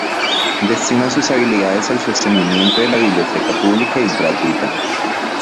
Destina sus utilidades al sostenimiento de la biblioteca pública y gratuita.